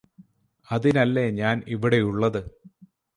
അതിനല്ലേ ഞാന് ഇവിടെയുള്ളത്